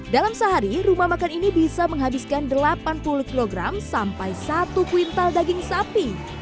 dalam sehari rumah makan ini bisa menghabiskan delapan puluh kg sampai satu kuintal daging sapi